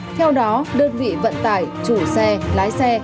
theo đó đơn vị vận tải chủ xe lái xe